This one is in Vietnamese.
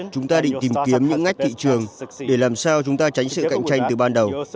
chúng ta định tìm kiếm những ngách thị trường để làm sao chúng ta tránh sự cạnh tranh từ ban đầu